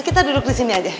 kita duduk di sini aja